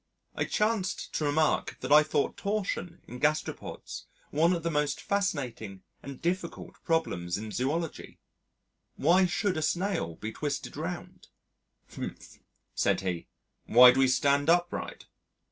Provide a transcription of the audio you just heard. I chanced to remark that I thought torsion in gastropods one of the most fascinating and difficult problems in Zoology. Why should a snail be twisted round? "Humph," said he, "why do we stand upright?"